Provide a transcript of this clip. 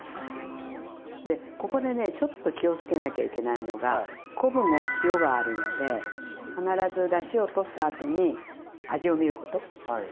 ここでねちょっと気をつけなきゃいけないのが昆布も塩があるので必ずだしを取ったあとに味を見ること。